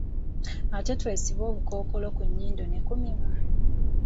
Ate twesibe obukookolo ku nyindo ne ku mimwa.